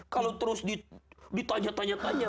kalau terus ditanya tanya tanya